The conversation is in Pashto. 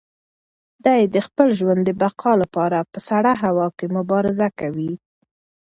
دی د خپل ژوند د بقا لپاره په سړه هوا کې مبارزه کوي.